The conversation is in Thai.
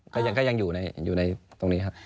ก็ยังอยู่ในตรงนี้ครับ